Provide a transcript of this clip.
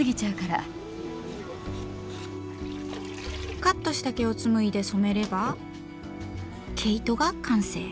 カットした毛をつむいで染めれば毛糸が完成。